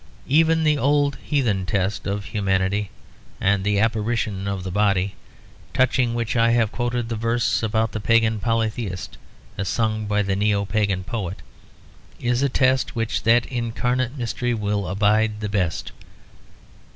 Even the old heathen test of humanity and the apparition of the body, touching which I have quoted the verse about the pagan polytheist as sung by the neo pagan poet, is a test which that incarnate mystery will abide the best.